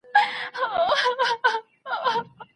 ښایي ګونګی سړی د ږیري سره ډېري مڼې وخوري.